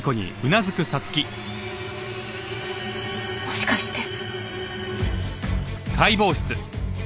もしかして！